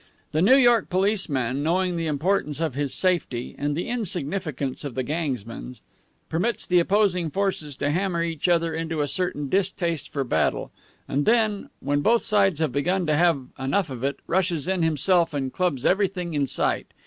The New York policeman, knowing the importance of his safety, and the insignificance of the gangsman's, permits the opposing forces to hammer each other into a certain distaste for battle, and then, when both sides have begun to have enough of it, rushes in himself and clubs everything in sight.